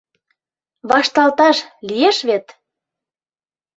Вашталташ лиеш вет!